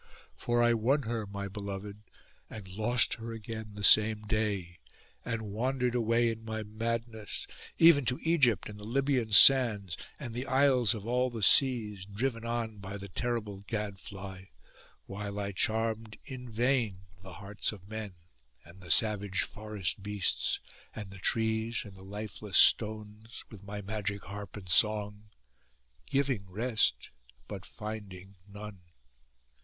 For I won her, my beloved, and lost her again the same day, and wandered away in my madness, even to Egypt and the Libyan sands, and the isles of all the seas, driven on by the terrible gadfly, while I charmed in vain the hearts of men, and the savage forest beasts, and the trees, and the lifeless stones, with my magic harp and song, giving rest, but finding none.